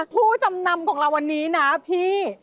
ผู้จำนำของเราวันนี้นะพี่